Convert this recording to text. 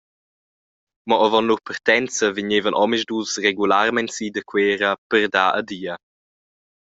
Mo avon lur partenza vegnevan omisdus regularmein si da Cuera per dar adia.